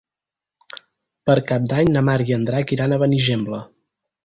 Per Cap d'Any na Mar i en Drac iran a Benigembla.